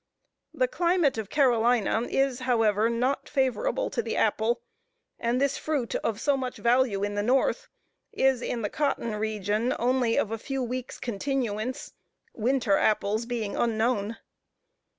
The climate of Carolina is, however, not favorable to the apple, and this fruit of so much value in the north, is in the cotton region only of a few weeks continuance winter apples being unknown.